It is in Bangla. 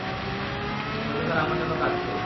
হয়তো তারা আমার জন্য কাঁদছে।